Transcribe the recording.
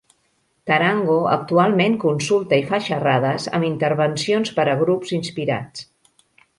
Tarango actualment consulta i fa xerrades amb intervencions per a grups inspirats.